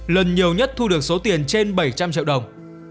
lần nhiều nhất thu được số tiền trên bảy trăm linh triệu đồng